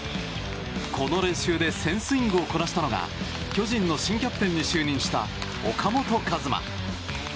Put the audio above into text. この練習で１０００スイングをこなしたのが巨人の新キャプテンに就任した岡本和真。